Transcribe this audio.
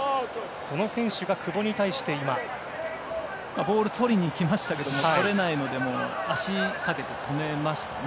その選手が久保に対してボールとりにいきましたがとれないので足をかけて止めましたね。